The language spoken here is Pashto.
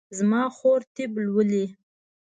زما خور طب لولي